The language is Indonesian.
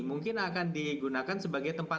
mungkin akan digunakan sebagai tempat